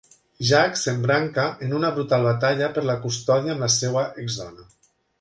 Jack s'embranca en una brutal batalla per la custòdia amb la seva exdona.